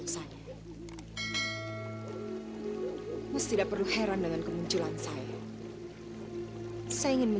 kau akan mengusnahkan aku